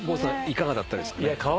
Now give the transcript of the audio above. いかがだったですか？